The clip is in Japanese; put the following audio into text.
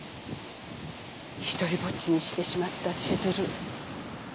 独りぼっちにしてしまった千鶴。